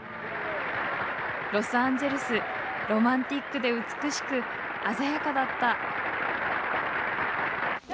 ロスアンジェルス、ロマンティックで、美しくあざやかだった。」